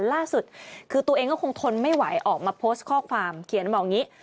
ล่าสุดคือตัวเองก็คงทนไม่ไหวออกมาโพสต์ข้อความเขียนบอกอย่างนี้